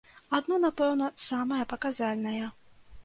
Адно, напэўна, самае паказальнае.